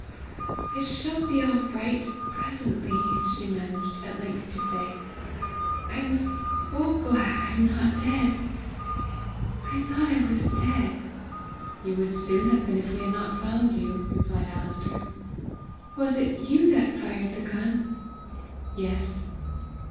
"I shall be all right presently!"' she managed at length to say. "I am so glad I'm not dead! I thought I was dead!" "You would soon have been if we had not found you!" replied Alister. "Was it you that fired the gun?" "Yes."